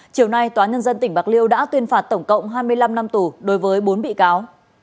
chiều nay tòa nhân dân tỉnh bạc liêu đã tuyên phạt tổng cộng hai mươi năm năm tù đối với bốn bị cáo